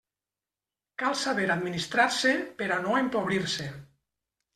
Cal saber administrar-se per a no empobrir-se.